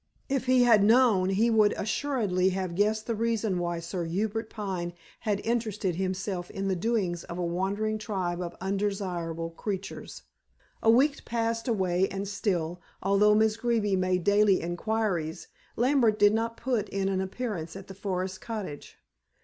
If he had known, he would assuredly have guessed the reason why Sir Hubert Pine had interested himself in the doings of a wandering tribe of undesirable creatures. A week passed away and still, although Miss Greeby made daily inquiries, Lambert did not put in an appearance at the forest cottage.